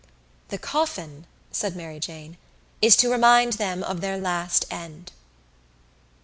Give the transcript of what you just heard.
"The coffin," said Mary Jane, "is to remind them of their last end."